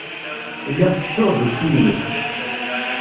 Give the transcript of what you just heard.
Lliɣ ttessuɣ-d usu-inu.